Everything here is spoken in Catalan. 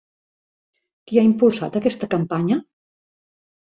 Qui ha impulsat aquesta campanya?